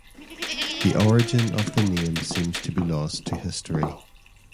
The origin of the name seems to be lost to history.